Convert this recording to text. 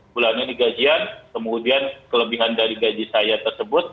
bulan ini gajian kemudian kelebihan dari gaji saya tersebut